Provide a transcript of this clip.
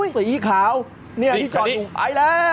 สีขาวที่จอดคุณไปแล้ว